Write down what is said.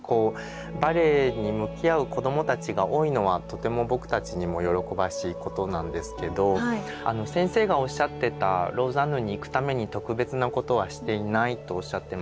バレエに向き合う子どもたちが多いのはとても僕たちにも喜ばしいことなんですけど先生がおっしゃってたローザンヌに行くために特別なことはしていないとおっしゃってました。